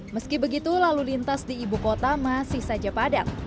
meski begitu lalu lintas di ibu kota masih saja padat